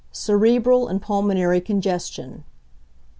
_ Cerebral and pulmonary congestion.